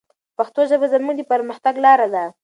پښتو ژبه زموږ د پرمختګ لاره ده.